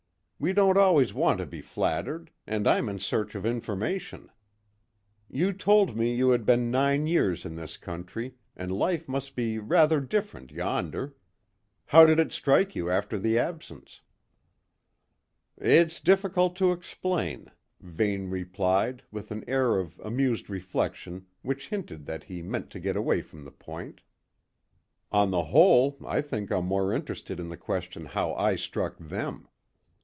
"We don't always want to be flattered, and I'm in search of information. You told me you had been nine years in this country, and life must be rather different yonder. How did it strike you after the absence?" "It's difficult to explain," Vane replied with an air of amused reflection which hinted that he meant to get away from the point. "On the whole, I think I'm more interested in the question how I struck them.